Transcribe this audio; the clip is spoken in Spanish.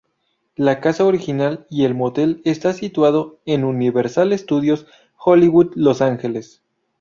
La casa original y el motel está situado en Universal Studios, Hollywood, Los Angeles.